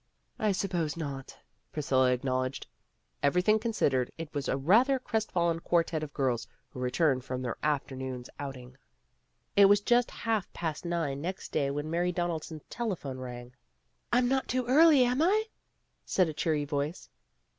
"I suppose not," Priscilla acknowledged. Everything considered, it was a rather crest fallen quartette of girls who returned from their afternoon's outing. It was just half past nine next day when Mary Donaldson's telephone rang. "I'm not too early, am I?" said a cheery voice.